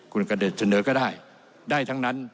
คุณกระเด็จเสนอก็ได้ได้ทั้งนั้น